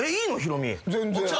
全然。